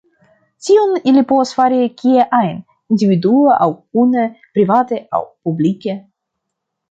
Tion ili povas fari kie ajn, individue aŭ kune, private aŭ publike.